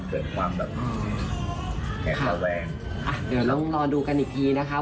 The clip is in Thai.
เกิดความแบบแข็งระแวงอ่ะเดี๋ยวลองรอดูกันอีกทีนะคะ